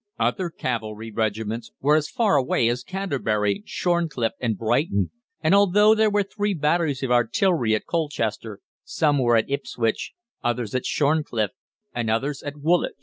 Other cavalry regiments were as far away as Canterbury, Shorncliffe, and Brighton, and although there were three batteries of artillery at Colchester, some were at Ipswich, others at Shorncliffe, and others at Woolwich.